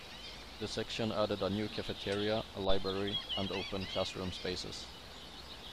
The section added a new cafeteria, a library, and open classroom spaces.